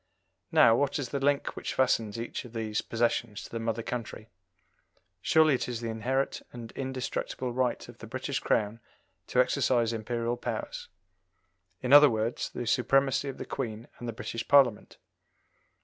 Now, what is the link which fastens each of these possessions to the mother country? Surely it is the inherent and indestructible right of the British Crown to exercise Imperial powers in other words, the supremacy of the Queen and the British Parliament?